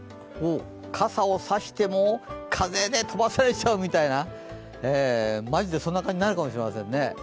傘を差しても、風で飛ばされちゃうみたいなマジでそんな感じになるかもしれませんね。